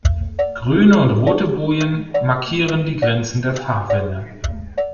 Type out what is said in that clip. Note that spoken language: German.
Grüne und rote Bojen markieren die Grenzen der Fahrrinne.